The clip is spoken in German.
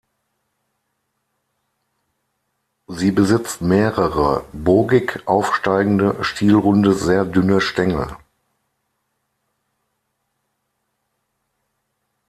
Sie besitzt mehrere bogig aufsteigende, stielrunde, sehr dünne Stängel.